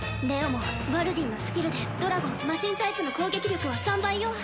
レオもバルディンのスキルでドラゴンマシンタイプの攻撃力は３倍よ。